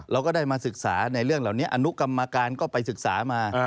เราก็ได้มาศึกษาในเรื่องเหล่านี้อนุกรรมการก็ไปศึกษามา